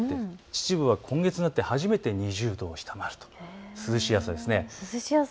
秩父は今月になって初めて２０度を下回るという涼しい朝です。